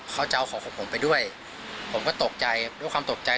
เขาจะเอาของของผมไปด้วยผมก็ตกใจด้วยความตกใจ